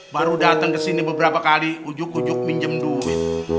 baru datang ke sini beberapa kali ujuk ujuk minjem duit